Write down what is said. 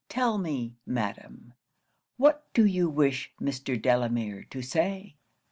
Tell me, madam what do you wish Mr. Delamere to say?"